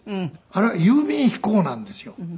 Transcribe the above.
あれは郵便飛行なんですよ。